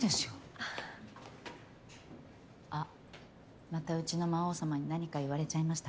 あっまたうちの魔王様に何か言われちゃいました？